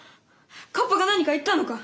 河童が何か言ったのか？